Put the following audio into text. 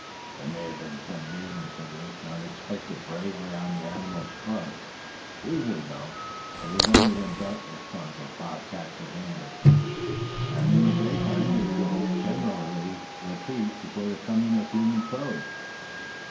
There may have been some reason for this unexpected bravery on the animal's part. Usually it is only when darkness comes that bobcats are dangerous; and in the daytime they will generally retreat before the coming of human foes.